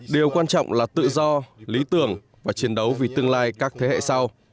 điều quan trọng là tự do lý tưởng và chiến đấu vì tương lai các thế hệ sau